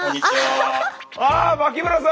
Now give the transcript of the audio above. あ脇村さん！